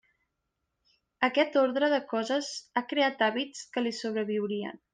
Aquest ordre de coses ha creat hàbits que li sobreviurien.